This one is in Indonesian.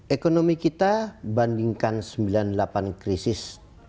ekonomi kita bandingkan sembilan puluh delapan krisis